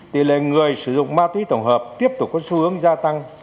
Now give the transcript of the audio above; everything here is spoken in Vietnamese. tỷ lệ người sử dụng ma túy tổng hợp tiếp tục có xu hướng gia tăng